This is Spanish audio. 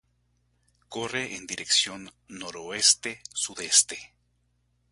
Corre en dirección noroeste-sudeste.